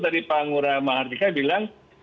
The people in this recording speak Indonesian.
tadi pak ngurah mahardika bilang